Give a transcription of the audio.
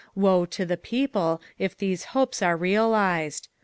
Woe to the people if these hopes are realised!